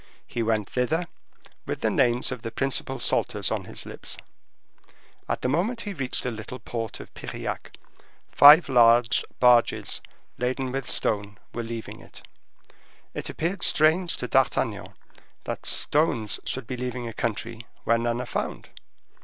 He went thither, with the names of the principal salters on his lips. At the moment he reached the little port of Piriac, five large barges, laden with stone, were leaving it. It appeared strange to D'Artagnan, that stones should be leaving a country where none are found.